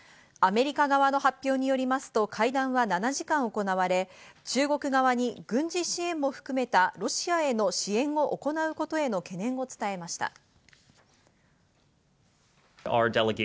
アメリカ側の発表によりますと、会談は７時間行われ、中国側に軍事支援も含めたロシアへの支援を行うことへの懸念を伝えました。